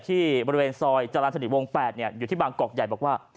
ที่บริเวณซอยจรรย์สนิทวง๘อยู่ที่บางกอกใหญ่บอกว่า